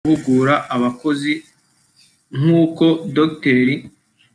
kubaka ubumenyi ngiro no guhugura abakozi; nk’uko Dr